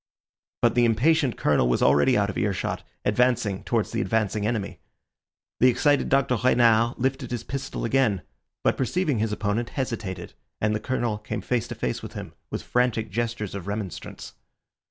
But the impatient Colonel was already out of earshot, advancing towards the advancing enemy. The excited Dr. Renard lifted his pistol again, but perceiving his opponent, hesitated, and the Colonel came face to face with him with frantic gestures of remonstrance.